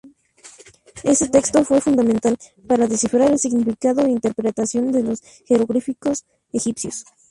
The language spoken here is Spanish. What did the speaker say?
Ese texto fue fundamental para descifrar el significado e interpretación de los jeroglíficos egipcios.